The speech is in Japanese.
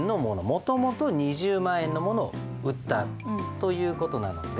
もともと２０万円のものを売ったという事なので。